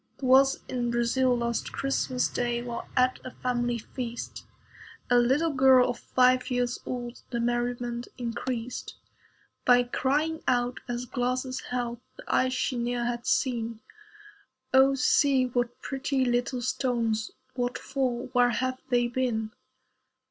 (A FACT.) 'Twas in Brazil last Christmas day, While at a family feast, A little girl of five years old The merriment increased, By crying out, as glasses held The ice she ne'er had seen, "Oh see! what pretty little stones. What for? Where have they been?"